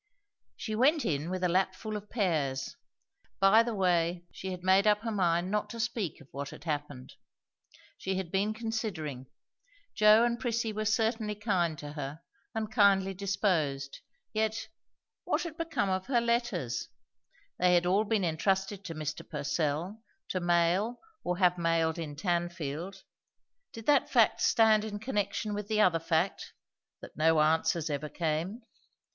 She went in with a lapful of pears. By the way she had made up her mind not to speak of what had happened. She had been considering. Joe and Prissy were certainly kind to her, and kindly disposed; yet, what had become of her letters? They had all been intrusted to Mr. Purcell, to mail or have mailed in Tanfield. Did that fact stand in connection with the other fact, that no answers ever came?